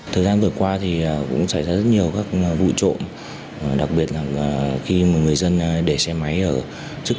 thời gian vừa qua thì cũng xảy ra rất nhiều các vụ trộm đặc biệt là khi mà người dân để xe máy ở trước